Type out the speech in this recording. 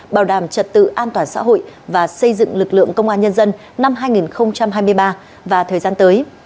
bảo đảm trật tự an toàn xã hội và xây dựng lực lượng công an nhân dân năm hai nghìn hai mươi ba và thời gian tới